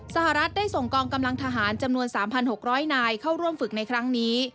สหรัฐได้ส่งกองกำลังทหารจำนวน๓๖๐๐นายเข้าร่วมฝึกในครั้งนี้